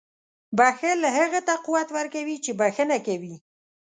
• بښل هغه ته قوت ورکوي چې بښنه کوي.